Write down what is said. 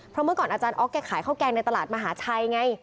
เพราะเมื่อก่อนอาจารย์ออฟแกขายข้าวแกงในตลาดมหาชัยไง